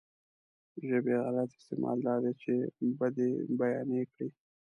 ژبې غلط استعمال دا دی چې بدۍ بيانې کړي.